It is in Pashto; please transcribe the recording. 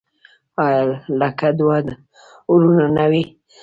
آیا لکه دوه ورونه نه وي؟